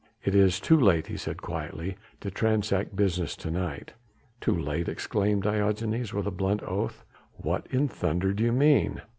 "It is too late," he said quietly, "to transact business to night." "Too late!" exclaimed Diogenes with a blunt oath. "What in thunder do you mean?"